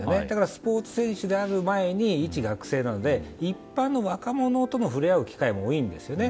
スポーツ選手である前に一学生なので一般の若者と触れ合う機会も多いんですよね。